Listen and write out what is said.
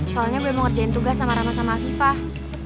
soalnya gue mau ngerjain tugas sama rama sama afifah